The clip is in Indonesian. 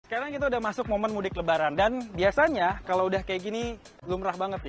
sekarang kita udah masuk momen mudik lebaran dan biasanya kalau udah kayak gini lumrah banget nih